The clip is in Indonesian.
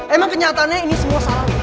emang kenyataannya ini semua salah